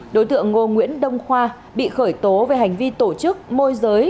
đối tượng ngô nguyễn đông khoa bị khởi tố về hành vi tổ chức môi giới